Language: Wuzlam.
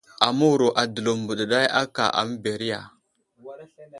Aməwuro a Dəlov mbeɗeɗay aka aməberiya.